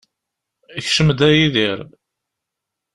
Kcem-d, a Yidir.